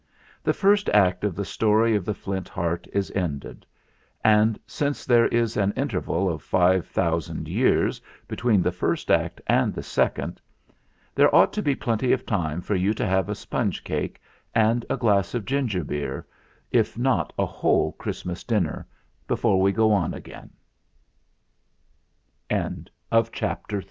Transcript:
The first act of the story of the Flint Heart is ended, and, since there is an interval of five thousand years between the first act and the second, there ought to be plenty of time for you to have a sponge cake and a glass of ginger beer, if not a whole Christmas dinner, before we go on again.